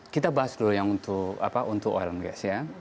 kita bahas dulu yang untuk oil and gas ya